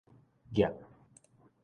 鋏